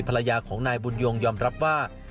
ภรรยาของนายบุญยงยอมรับว่า